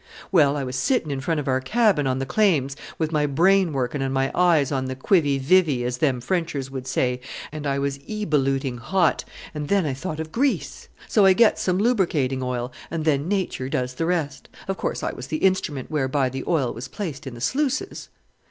"Well, I was sitting in front of our cabin on the claims with my brain working and my eyes on the 'quivi vivi,' as them Frenchers would say, and I was ebolluting hot, and then I thought of grease! So I gets some lubricating oil, and then Nature does the rest; of course I was the instrument whereby the oil was placed in the sluices."